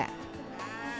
menjaga keutuhan rumah tangga